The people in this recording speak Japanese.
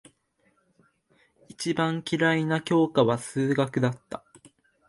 一番嫌いな教科は数学だった。